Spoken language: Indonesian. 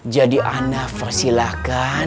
jadi ana persilahkan